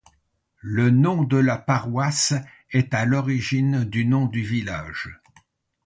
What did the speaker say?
Le nom de la paroisse est à l'origine du nom du village.